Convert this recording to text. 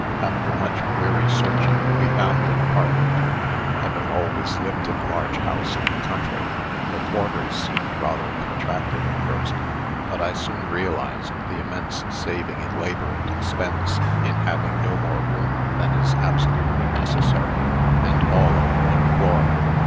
After much weary searching we found an apartment. Having always lived in a large house in the country, the quarters seemed rather contracted at first, but I soon realized the immense saving in labor and expense in having no more room than is absolutely necessary, and all on one floor.